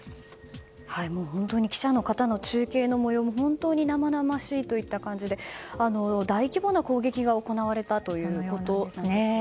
本当に記者の方の中継の模様も本当に生々しいといった感じで大規模な攻撃が行われたということですね。